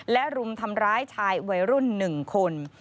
และรุมทำร้ายชายวัยรุ่น๑คน